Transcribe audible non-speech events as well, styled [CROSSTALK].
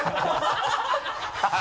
ハハハ [LAUGHS]